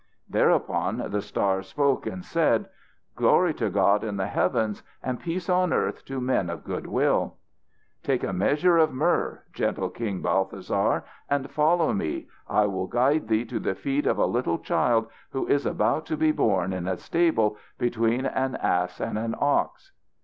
Thereupon the star spoke and said: "Glory to God in the Heavens and peace on earth to men of good will! "Take a measure of myrrh, gentle King Balthasar, and follow me. I will guide thee to the feet of a little child who is about to be born in a stable between an ass and an ox.